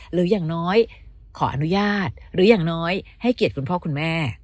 หรืออย่างน้อยขออนุญาตหรืออย่างน้อยให้เกียรติคุณพ่อคุณแม่